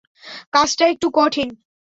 কাজটা একটু কঠিন।